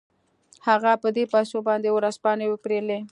هغه په دې پيسو باندې ورځپاڼې وپېرلې.